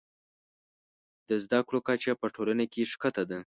د زده کړو کچه په ټولنه کې ښکته ده.